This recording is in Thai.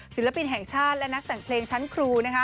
ศิลปินแห่งชาติและนักแต่งเพลงชั้นครูนะคะ